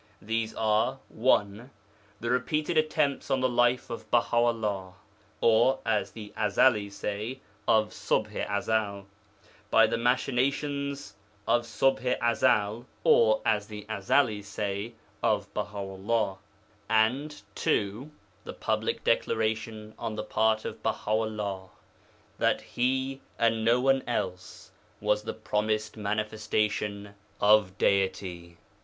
These are (1) the repeated attempts on the life of Baha 'ullah (or, as the Ezelis say, of Ṣubḥ i Ezel) by the machinations of Ṣubḥ i Ezel (or, as the Ezelis say, of Baha 'ullah), and (2) the public declaration on the part of Baha 'ullah that he, and no one else, was the Promised Manifestation of Deity.